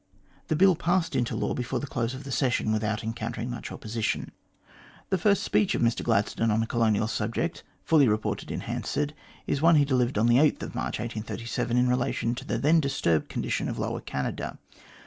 The Bill passed into law before the close of the session without encountering much opposition; The first speech of Mr Gladstone on a colonial subject, fully reported in Hansard, is one he delivered on March 8, 1837, in relation to the then disturbed condition of Lower Canada.